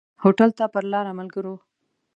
هوټل ته پر لاره ملګرو.